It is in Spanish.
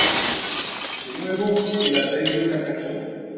De nuevo, el asedio fracasó.